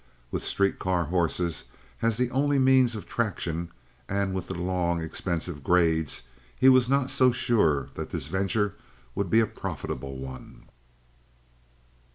With street car horses as the only means of traction, and with the long, expensive grades, he was not so sure that this venture would be a profitable one.